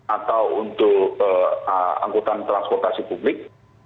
atau untuk angkutan transportasi publik